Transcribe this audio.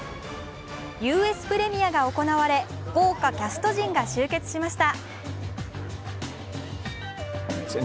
ＵＳプレミアが行われ豪華キャスト陣が集結しました。